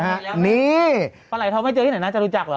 นี่ปลาไหลทองไม่เจอที่ไหนน่าจะรู้จักเหรอ